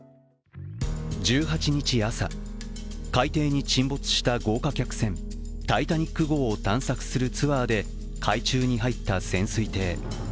１８日朝、海底に沈没した豪華客船「タイタニック」号を探索するツアーで海中に入った潜水艇。